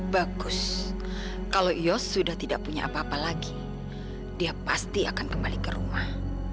bagus kalau yos sudah tidak punya apa apa lagi dia pasti akan kembali ke rumah